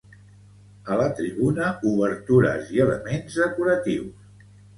A la tribuna, obertures i elements decoratius.